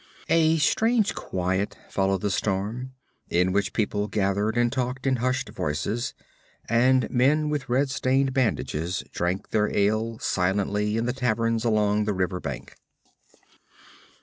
A strange quiet followed the storm, in which people gathered and talked in hushed voices, and men with red stained bandages drank their ale silently in the taverns along the river bank.